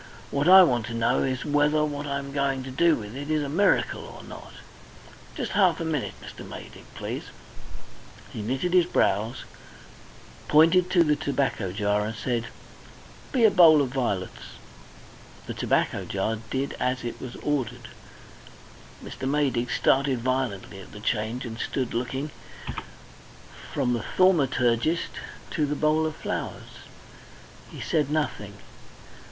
What I want to know is whether what I am going to do with it is a miracle or not. Just half a minute, Mr. Maydig, please." He knitted his brows, pointed to the tobacco jar and said: "Be a bowl of vi'lets." The tobacco jar did as it was ordered. Mr. Maydig started violently at the change, and stood looking from the thaumaturgist to the bowl of flowers. He said nothing.